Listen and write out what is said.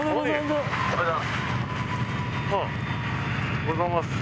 おはようございます。